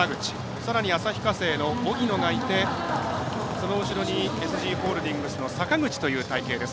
さらに旭化成の荻野がいてその後ろにＳＧホールディングスの阪口という隊形です。